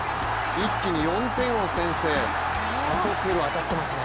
一気に４点を先制サトテル、当たってますね。